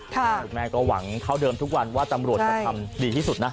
คุณแม่ก็หวังเท่าเดิมทุกวันว่าตำรวจจะทำดีที่สุดนะ